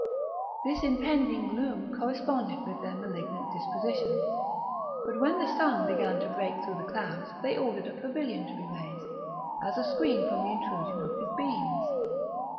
This impending gloom corresponded with their malignant dispositions; but when the sun began to break through the clouds they ordered a pavilion to be raised, as a screen from the intrusion of his beams.